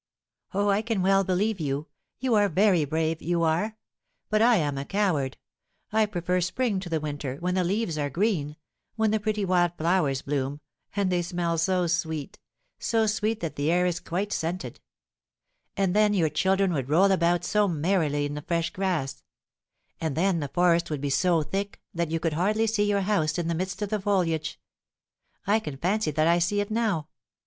"Oh, I can well believe you! You are very brave you are; but I am a coward. I prefer spring to the winter, when the leaves are green, when the pretty wild flowers bloom, and they smell so sweet, so sweet that the air is quite scented; and then your children would roll about so merrily in the fresh grass; and then the forest would be so thick that you could hardly see your house in the midst of the foliage, I can fancy that I see it now.